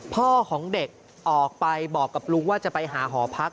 พ่อของเด็กออกไปบอกกับลุงว่าจะไปหาหอพัก